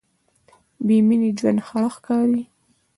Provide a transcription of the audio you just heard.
بېمینې ژوند خړ ښکاري.